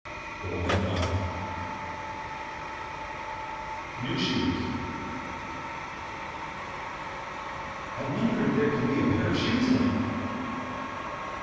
Golden Dawn NEW SHOES "I wonder if there can be a pair of shoes in it!"